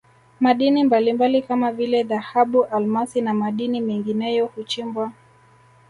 madini mbalimbali kama vile dhahabu almasi na madini mengineyo huchimbwa